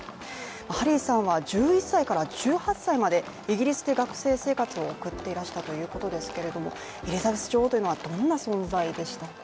ハリーさんはイギリスで学生生活を送っていらしたということですがエリザベス女王というのはどんな存在でしたか？